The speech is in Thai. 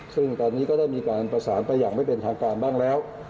ซึ่งตอนนี้ก็ได้มีการประสานไปอย่างไม่เป็นทางการบ้างแล้ว